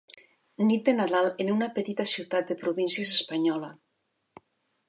Nit de Nadal en una petita ciutat de províncies espanyola.